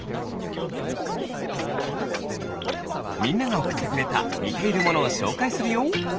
みんながおくってくれたにているものをしょうかいするよ。